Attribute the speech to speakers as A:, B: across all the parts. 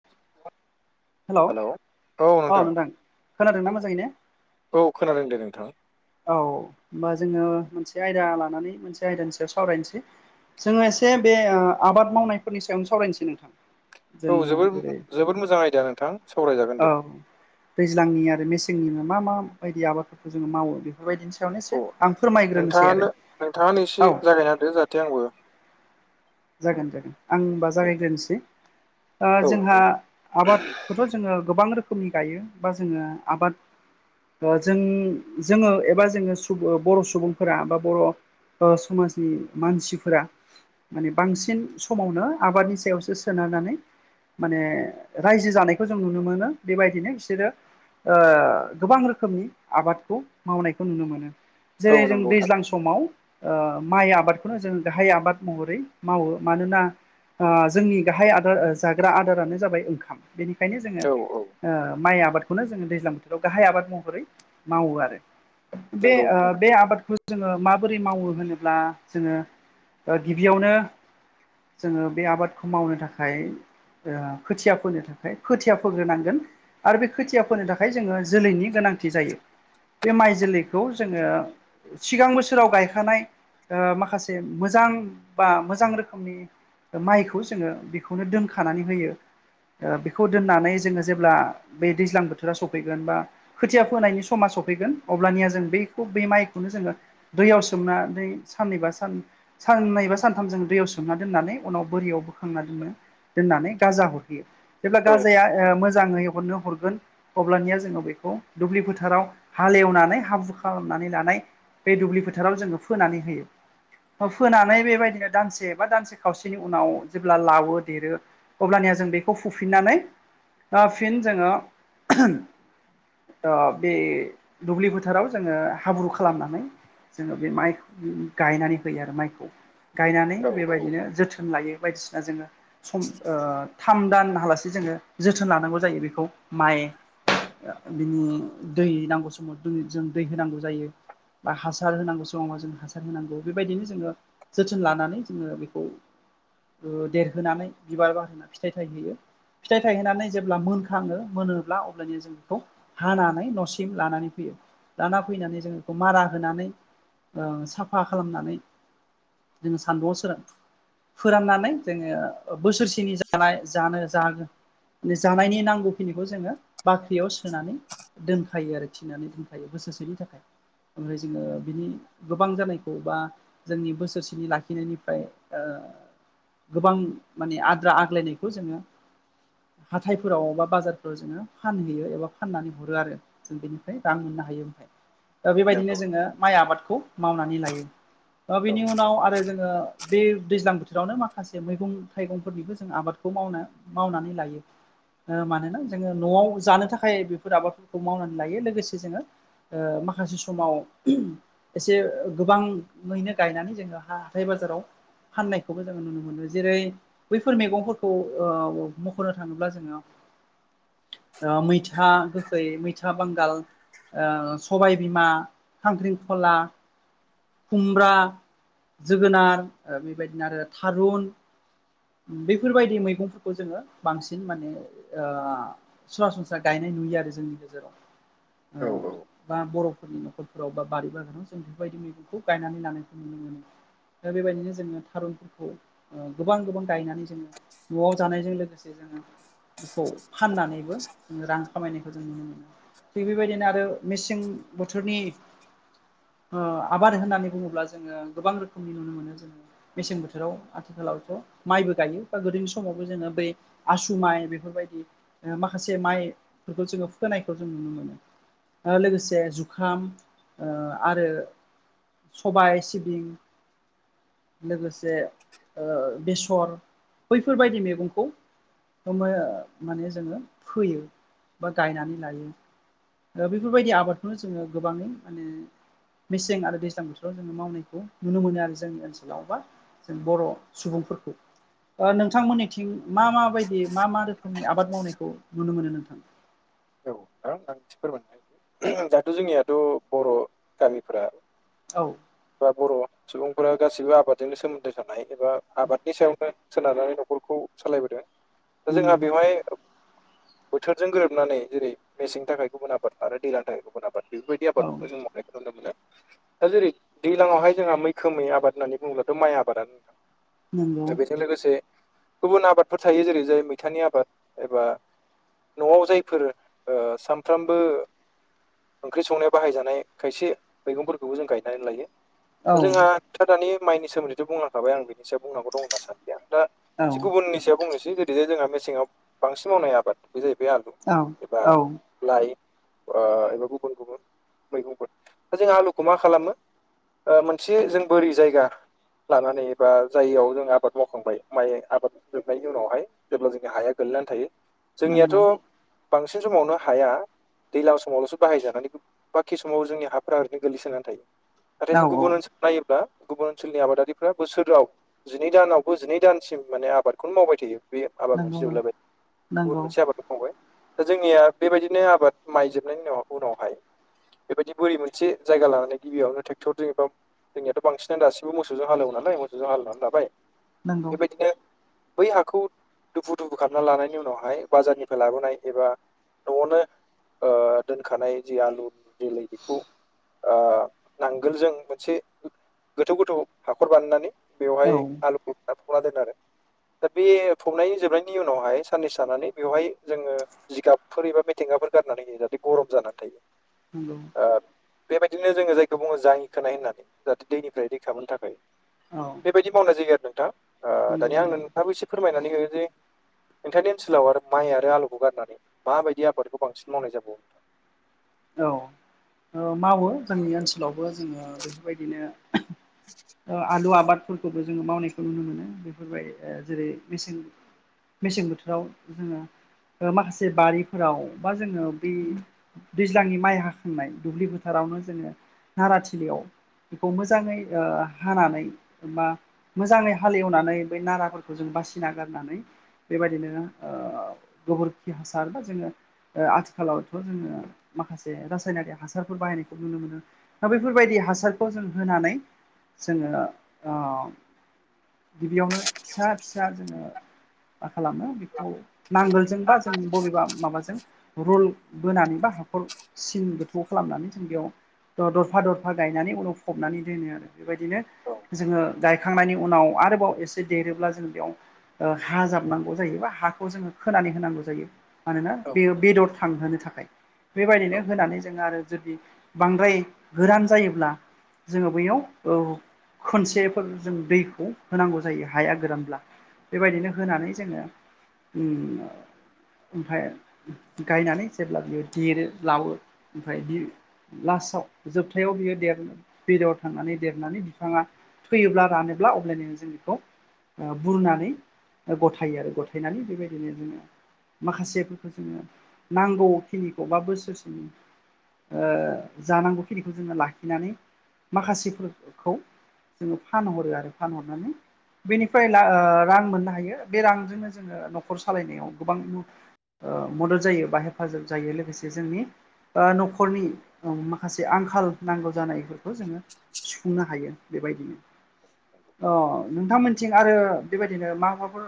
A: [unintelligible]
B: Hello औ नोंथां खोनादों ना मोजाङैनो
A: औ खोनादों दे नोंथाङा
B: औ होमबा जोङो मोनसे आयदा लानानै मोनसे आयदानि सायाव सावरायनोसै जोङो एसे बे आबाद मावनायफोरनि सायावनो सावरायनोसै नोंथां
A: औ
B: जोङो
A: जबोर
B: जेरै
A: जोबोद मोजां आयदया नोंथां
B: औ
A: सावरायजागोनदे
B: दैज्लांनि आरो मेसेंनिनो मा मा बायदि आबादफोरखौ जोङो मावो बे बेबायदिनि सायावनो एसे
A: औ
B: आं फोरमायग्रोनोसै आरो
A: नोंथाङानो नोंथाङानो
B: औ
A: [unintelligible] [unintelligible] आंबो
B: जागोन जागोन आं होनबा जागायग्रोनोसै
A: औ
B: जोंहा
A: नोंथां
B: आबादखौथ जोङो गोबां रोखोमनि गायो बा जोङो आबाद जों जोङो एबा जोङो सुबुं बर' सुबुंफोरा बा बर' समाजनि मानसिफोरा माने बांसिन समावनो आबादनि सायावसो सोनारनानै माने रायजो जानायखौ जों नुनो मोनो बेबायदिनो बिसोरो गोबां रोखोमनि आबादखौ मावनायखौ नुनो मोनो
A: औ
B: जेरै जों
A: नंगौ
B: दैज्लां समाव माइ आबादखौनो जोङो गाहाय आबाद महरै मावो मानोना जोंनि गाहाय आदार जाग्रा आदारानो जाबाय ओंखाम बेनिखायनो जोङो
A: थार औ औ
B: माइ आबाद ज दैज्लां बोथोराव ग आबाद महै मावो आरो
A: नंगौ नोंथां
B: आबादखौ जोङो माबोरै मावो होनोब्ला जोङो गिबियावनो जोङो बे आबादखौ मावनो थाखाय खोथिया फोनो थाखाय खोथिया फोग्रोनांगोन आरो बे खोथिया फोनो थाखाय जोङो जोलैनि गोनांथि जायो बे माइ जोलैखौ जोङो सिगां बोसोराव गायखानाय माखासे मोजां बा मोजां मोजां रोखोमनि माइखौ जोङो बेखौनो दोनखानानै होयो बेखौ दोननानै जोङो जेब्ला बे दैज्लां बोथोरा सफैगोन बा खोथिया फोनायनि समा सफैगोन अब्लानिया जों बेखौ बे माइखौनो जोङो दैयाव सोमना दै साननैबा सान साननैबा सान ओंथामजों दैयाव सोमना दोननानै उनाव बोरियाव बोखांना दोननो दोननानै गाजा अरहैयो जेब्ला
A: औ
B: गाजाया मोजाङै हरनो हरगोन अब्लानिया जोङो बेखौ दुब्लि फोथाराव हालेवनानै हाब्रु खालामनानै लानाय बे दुब्लि फोथाराव जोङो फोनानै होयो फोनानै बेबायदिनो दानसे बबा दानसे खावसेनि उनाव जेब्ला लावो देरो अब्लानिया जों बेखौ फुफिननानै फिन जोङो बे दुब्लि फोथाराव जोङो हाब्रु खालामनानै जोङो बे माइ गायनानै होयो आरो माइखौ गायनानै
A: औ औ
B: बेबायदिनो जोथोन लायो बायदिसिना जोङो सम थाम दानालासे जोङो जोथोन लानांगौ जायो बेखौ माइ बिनि दै नांगौ समाव जों दै होनांगौ जायो बा हासार होनांगौ समावाव जों हासार होनांगौ बेबायदिनो जोङो जोथोन लानानै जोङो बेखौ देरहोनानै बिबार बारहोनानै फिथाइ थायहोयो फिथाइ थायहैनानै जेब्ला मोनखाङो मोनोब्ला अब्लानिया जों बेखौ हानानै न'सिम लानानै फैयो दाना फैनानै जोंङो बेखौ मारा होनानै साफा खालामनानै जोङो सान्दुंआव सोर फोराननानै जोङो बोसोरसे जानो जानायनि नांगौखिनिखौ जोङो बाख्रियाव सोनानै दोनखायो आरो थिनानै दोनखायो बसोसेनि थाखाय ओमफ्राय जोङो बिनि गोबां जानायखौ बा जोंनि बोसोरसेनि लाखिनायनिफ्राय गोबां माने आद्रा आग्लायनायखौ जोङो हाथायफोरावबा बाजारफोराव जोङो फानहैयो एबा फाननानै हरो आरो जों बेनिफ्राय रां मोननो हायो ओमफ्राय दा बेबायदिनो
A: नंगौ
B: जोङो माइ आबादखौ मावनानै लायो
A: औ
B: बिनि उनाव आरो जोङो बे दैज्लां बोथोरावनो माखासे मैगं थाइगंफोरनिबो जों आबादखौ मावना मावनानै लायो मानोना जोङो न'आव जानो थाखाय बेफोर आबादफोरखौ मावनानै लायो लोगोसे जोङो माखासे समाव एसे गोबाङैनो गायनानै जोङो हा हाथाय बाजाराव फाननायखौबो जोङो नुनो मोनो जेरै बैफोर मैगंफोरखौ मख'नो थाङोब्ला जोङो मैथा गोखै मैथा बांगाल सबायबिमा खांख्रिंखला खुमब्रा जोगोनार बेबायदिनो आरो थारुन बेफोरबायदि मैगंफोरखौ जोङो बांसिन माने सरासनस्रा गायनाय नुयो आरो जोंनि गेजेराव
A: औ औ
B: बा बर'फोरनि न'खरफोराव बा बारि बागानाव जों बेफोरबायदि मैगंखौ गायनानै लानो नुनो मोनो दा बेबायदिनो जोङो थारुनफोरखौ गोबां गोबां गायनानै जोङो न'आव जानायजों लोगोसे जोङो बेखौ फाननानैबो जोङो रां खामायनायखौ जों नुनो मोनो थिग बेबायदिनो आरो मेसें बोथोरनि आबाद होननानै बुङोब्ला जोङो गोबां रोखोमनि नुनो मोनो जोङो मेसें बोथोराव आथिखालावथ' माइबो गायो बा गोदोनि समावबो जोङो बै आसु माइ बेफोरबायदि माखासे माइफोरखौ जोङो फुखायखौ जों नुनो मोनो लोगोसे जुखाम आरो सबाय सिबिंं लोगोसे बेसर बैफोरबायदि मैगंखौ माने जोङो फोयो बा गायनानै लायो बेफोरबायदि आबादखौनो जोङो गोबाङै माने मेसें आरो दैज्लां बोथोराव ज जोङो मावनायखौ नुनो मोनो आरो जोंनि ओनसोलाव बा जों बर' सुबुंफोरखौ नोंथांमोननिथिं मा म बायदि मा मा रोखोमनि आबाद मावनायखौ नुनो मोनो नोंथां
A: औ नोंथां आं फोरमायनो ह दाहहाथ' जोंनियाथ' बर' गामिफोरा
B: औ।
A: बा बर' सुबुंफोरा गासिबो आबादजोंनो सोमोन्दो थानाय एबा आबादनि सायावनो सोनारनानै न'खरखौ सालायबोदों दा जोंहा
B: नंगौ
A: बेवहाय बोथोरजों गोरोबनानै जेरै मेसेंनि थाखाय गुबुन आफबाद आरो दैलानि थाखाय गुबुन आबाद बेफोरबायदि
B: औ
A: आबादखौ जों मावनायखौ नुनो मोनो दा जेरै दै्लाङावहाय जोंहा मैखोमै आबाद होननानै बुङोब्लाथ' माइ आबादानो नोंथां
B: नंगौ
A: दा बेजों लोगोसे। गुबुन आबादफोर थायो जेरै जाय मैथानि आबाद एबा न'आव जायफोर सानफ्रामबो ओंख्रि संनायाव बाहायजानाय खायसे मैगंफोरखौबो जों गायनानै लायो
B: औ
A: दा जोंहा दानि माइनि सोमोन्दैथ' बुंलांखाबाय आं बेनि सायाव बुंनांगौ दं होनना सानदि आं दा
B: औ
A: से गुबुननि सायाव बुंनोसै जुदि जे जोंहा मेसेङाव बांसिन मावनाय आबाद बे जाहैबाय आलु
B: औ
A: एबा
B: औ
A: लाइ एबा गुबुन गुबुन मैगंफोर दा जों आलुखौ मा खालामो मोनसे जों बोरि जायगा लानानै एबा जाययाव जों आबाद मावखांबाय माइ आबाद जोबनायनि उनावहाय जेब्ला जोंनि हाया गोग्लैनानै थायो जोंनियाथ'
B: नंगौ
A: बांसिन समावनो हाया दैज्लां समावल'सो बाहायजानानै बाखि समाव जोंनि हाफोरा्रा ओरैनो गोलैसोनानै थायो। नाथाय
B: औ
A: जों
B: औ
A: गुबुन ओनसोलाव नायोब्ला गुबुन ओनसोलनि आबादारिफ्रा बोसोराव। जिनै दानावबो जिनै दानसिम माने आबादखौनो मावबाय थायो बे आबाद मोनसे
B: नंगौ
A: जौलायबाय
B: नंगौ
A: गुबुन मोनसे आबादखौ मावबाय दा जोंनिया बेबायदिनो आबाद माइजोबनायनि उन उनावहाय बेबायदि बोरै मोनसे जायगा लानानै गिबियावनो थ टेकटरजों एबा जोंनियाथ' बांसिनानो दासिबो मोसौजों हालेवोन नाय मोौजों हालवनानै लाबाय
B: नंगौ
A: बेबायदिनो बै हाखौ दुफु दुफु खालामना लानायनि उनावहाय बाजारनिफ्राय लाबोनाय एबा न'आवनो दोनखानाय जि आलुनि जोलै बेखौ नांगोलजों मोनसे गोथौ गोथौ हाखर बानायनानै बेवहाय
B: औ
A: आलुखौ दा फबना दोन आरो दा बे फबनाय जोबनायनि उनावहाय साननैसो थानानै बेवहाय जोङो जिगाबफोर एबा मिथिंगाफोर गारनानै होयो जाहाथे गरम जानानै थायो
B: नंगौ
A: ओ बेबायदिनो जोङो जायखौ बुङो जाङि खोनाय होननानै जाहाथे दैनिफ्राय रैखा मोननो थाखाय
B: औ
A: बेबायदि मावनाय जायोग आरो नोंथाङा
B: नंगौ
A: दानि आं
B: नंगौ
A: नोंथाबो एसे फोरमायनानै हो जे नोंथांनि ओनसोलाव आरो माइ आरो आलुखौ गारनानै माबायदि आबादखौ बांसिन मावनाय जाबावो नोंथां
B: औ मावो जोंनि ओनसोलावबो जोङो बेफोर‌ बायदिनो आलु आबादफोरखौबो जोङो मावनायखौ नुनो मोनो बेफोरबाय जेरै मेसें मेसें बोथोराव जोङो माखासे बारिफोराव बा जोङो ब दैज्लांनि माइ हाखांनाय दुब्लि फोथारावनो जोङो नाराथिलियाव बेखौ मोजाङै हानानै मा मोजाङै हालेवनानै बै नाराफोरखौ जों बासिना गारनानै बेबायदिनो गोबोरखि हासार बा जोङो ओ आथिखालावथ' जोङो। माखासे रासायनारि हासारफोर बाहायनायखौ नुनो मोनो दा बैफोरबायदि हासारखौ जों होनानै। जोङो ओ गिबियावनो फिसा फिसा जोङो। मा खालामो बेखौ नांगोलजोंबा जों बबेबा माबाजों रुल बोनानै बा हाखर सिन गोथौ खालामनानै जों बेयाव दरफा दरफा गायनानै उनाव फबनानै दोनो आरो बेबायदिनो जोङो
A: औ
B: गायखांनायनि उनाव आरोबाव एसे देरोब्ला जों बेयाव हा जाबनांगौ जायोबा हाखौ जोङो खोनानै होनांगौ जायो मानोना बे बेदर थांहोनो थाखाय
A: औ
B: बेबायदिनो होनानै जोङो आरो जुदि बांद्राय गोरान जायोब्ला जोङो बैयाव औ खोनसेफोर जों दैखौ होनांगौ जायो हाया गोरानब्ला बेबायदिनो होनानै जोङो ओमफफ्राय गायनानै जेब्ला बियो देरो लावो ओमफ्राय बि लास्टाव जोबथायाव बियो देर बेरायाव थांनानै देरनानै बिफाङा फैयोब्ला रानोब्ला अब्लानो जों बेखौ बुरनानै गथायो आरो गथायनानै बेबायदिनो जोङो माखासेफोरखौ जोङो नांगौखिनिखौ बा बोसोरसेनि जानांगौ खिनिखौ जोङो लाखिनानै माखासेफोरखौ जोङो फानहरो आरो फानहरनानै बेनिफ्राय ओ रां मोननो हायो बे रांजोंनो जोङो न'खर सालायनायाव गोबां। मदद जायो बा हेफाजाब जायो लोगोसे जोंनि बा न'खरनि माखासे आंखाल नांगौ जानायफोरखौ जोङो। सुफुंनो हायो बेबायदिनो अ
A: नंगौ
B: नोंथांमोनथिं आरो बेबायदिनो मा माबाफोर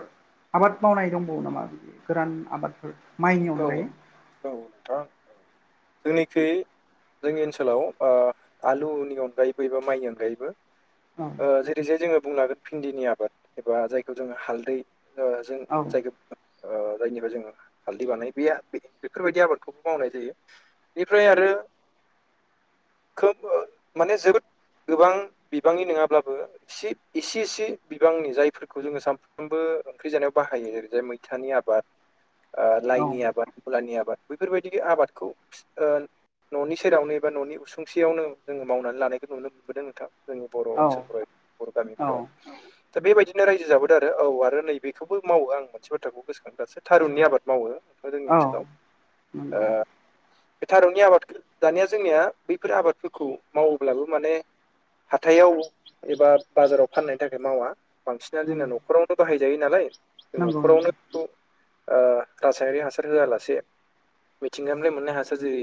B: आबाद मावनाय दंबावो नामा बि गोरान आबादफोर माइनि
A: नोंथां
B: अनजायै
A: औ नोंथां औ जोंनिख जोंनि ओनसोलाव आलुनि अनगायैबो एबा माइनि अनगायैबो
B: औ
A: ओ जेरै जाय जोङो बुंनो हागोन भिन्दिनि आबाद एबा जायखौ जोङो हालदै जों
B: औ
A: जायखौ जायनिफ्राय जोङो हाल्दै बानाय बे बेफोरबायदि आबादखौबो मावनाय जायो बेनिफ्राय आरो खोब माने जोबोद गोबां बिबांनि नङाब्लाबो एसे एसे बिबांनि जायफोर खौ जोङो सानफ्रामबो ओंख्रि जानायाव बाहायो ओरै जाय मैथानि आबाद लाइनि आबाद मुलानि आबाद बेफोरबायदि आबादखौ न'नि सेरावनो एबा न'नि उसुंसेयावनो जोङो मावनानै लानायखौ नुनो मोनबोदों नोंथां जोंनि बर'
B: औ
A: ओनसोलफोराव बर'
B: औ
A: गामिफोराव दा
B: औ
A: बेबायदिनो रायजो जाबोदों आरो औ आरो नैबेखौबो मावो आं मोनसे बाथ्राखौ गोसोखां दासो थारुननि आबाद मावो म' जोंनि ओनसोलाव
B: मोनदोंं
A: बे थारुननि आबाद दानिया जोंनिया बैफोर आबादफोरखौ मावोब्लाबो माने हाथायाव एबा बाजाराव फाननायनि थाखाय मावा बांसिनानो जोंना
B: नंगौ
A: न'खरावनो बाहायजायो नालाय जों
B: नंगौ नंगौ
A: न'खरावनो बेखौ ओ रासायनारि हासार होआलासे मिथिंगामफ्राय मोननाय हासार जेरै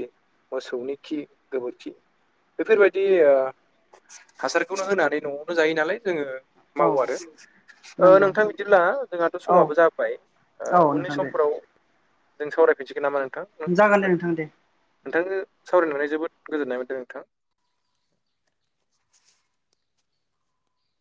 A: मोसौनि खि गोबोरखि बेफोरबायदि ओ हासारखौनो होनानै न'आवबो जायो नालाय जोङो
B: औ
A: मावो आरो ओ
B: नंगौ
A: नोंथां बिदिब्ला जोंहाथ
B: औ
A: समाबो जाबाय
B: औ
A: उननि
B: नोंथां दे
A: समफोराव जों सावरायफिनसिगोन नामा नोंथां
B: जागोन दे नोंथां दे
A: नोंथांजों सावरायनानै जोबोद गोजोननाय मोन्दों नोंथां